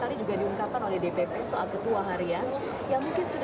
apakah itu kemudian yang menyebabkan kongres ini dipercepat ada pertimbangan soalnya